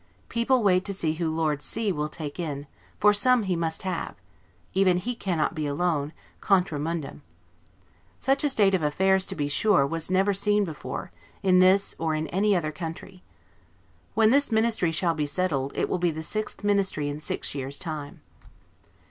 People wait to see who Lord C will take in, for some he must have; even HE cannot be alone, 'contra mundum'. Such a state of affairs, to be sure, was never seen before, in this or in any other country. When this Ministry shall be settled, it will be the sixth Ministry in six years' time.